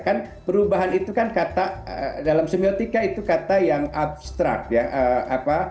kan perubahan itu kan kata dalam semiotika itu kata yang abstrak ya